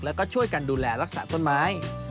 แล้วก็ช่วยกันดูแลรักษาต้นไม้